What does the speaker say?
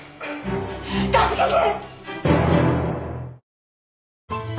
助けて！